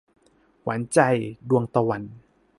หวานใจ - ดวงตะวัน